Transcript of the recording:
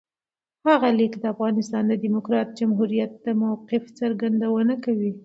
هغه لیک د افغانستان د دموکراتیک جمهوریت د موقف څرګندونه کوي.